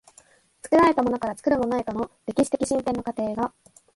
作られたものから作るものへとの歴史的進展の過程が、